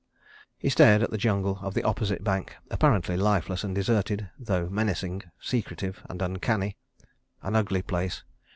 He stared at the jungle of the opposite bank, apparently lifeless and deserted, though menacing, secretive and uncanny. An ugly place.